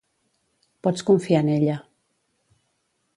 Pots confiar en ella.